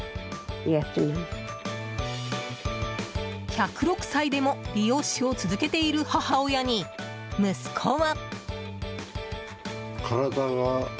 １０６歳でも理容師を続けている母親に、息子は。